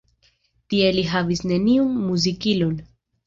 Tie li havis neniun muzikilon.